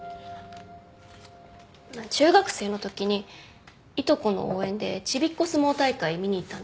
中学生のときにいとこの応援でちびっこ相撲大会見に行ったんです。